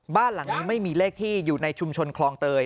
บ้านหลังนี้ไม่มีเลขที่อยู่ในชุมชนคลองเตย